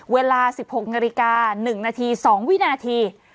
เวลา๑๖นาฬิกา๑นาที๒วินาที